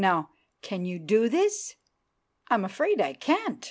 Now, can you do this?" "I'm afraid I can't!"